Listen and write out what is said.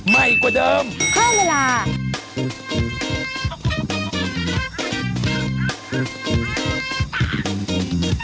ใหม่กว่าเดิมเพิ่มเวลา